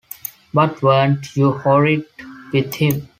But weren’t you horrid with him?